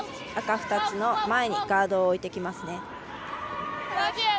赤２つの前にガードを置いてきます。